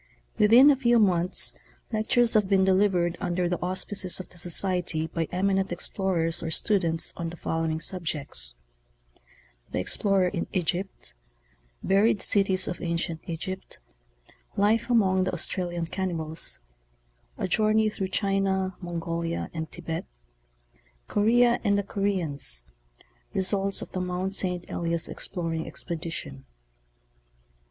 Within a few months lectures have been delivered under the auspices of the Society by eminent explorers or students on the following subjects : The Explorer in Egypt ; Buried Cities of Ancient Egypt ; Life among the Australian Cannibals ; A Journey through China, Mongolia and Thibet ; Korea and the Koreans ; Results of the Mt. St. Blias Beplonss Expedition.